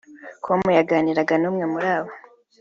com yaganiraga n’umwe muri bo